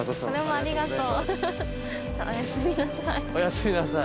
ありがとう。